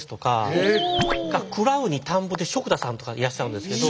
「喰らう」に「田んぼ」で喰田さんとかいらっしゃるんですけど。